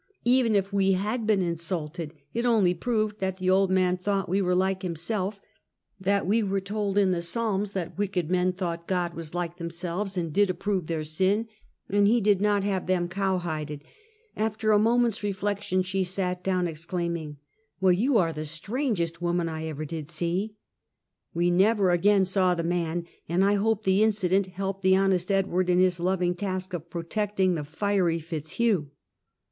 Even if we had been insulted, it only proved that the old man thought we were like himself — that we were told in the Psalms that wicked men thought God was like themselves, and did approve their sin, and he did not have them cowhided. After a moment's reflection she sat down, exclaiming: " Well, you are the strangest woman I ever did see!" We never again saw the man, and I hope the inci dent lielped the honest Edward in his loving task of protecting the fiery Fitzhugh.